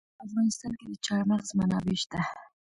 په افغانستان کې د چار مغز منابع شته.